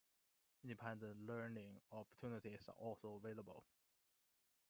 Independent learning opportunities are also available.